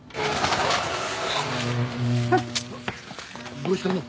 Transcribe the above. どうしたの？